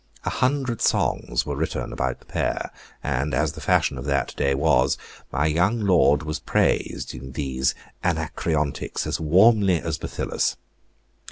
A hundred songs were written about the pair, and as the fashion of that day was, my young lord was praised in these Anacreontics as warmly as Bathyllus.